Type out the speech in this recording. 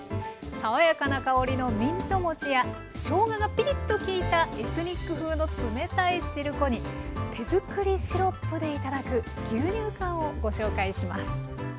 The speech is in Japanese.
爽やかな香りのミントもちやしょうががピリッと効いたエスニック風の冷たいしるこに手作りシロップで頂く牛乳かんをご紹介します。